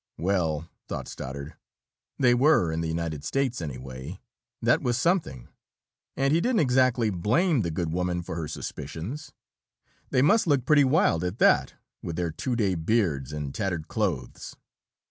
Well, thought Stoddard, they were in the United States, anyway. That was something. And he didn't exactly blame the good woman for her suspicions. They must look pretty wild, at that, with their two day beards and tattered clothes.